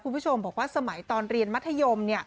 คุณผู้ชมบอกว่าสมัยตอนเรียนมัธยม